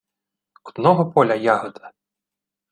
Одного поля ягода.